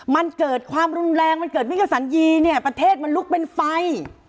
มันเกิดความรุนแรงมันเกิดมิกษันยีเนี่ยประเทศมันลุกเป็นไฟ